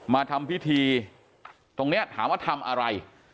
มาทำพิธีตรงนี้ถามว่าทำอะไร